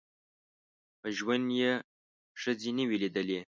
په ژوند یې ښځي نه وې لیدلي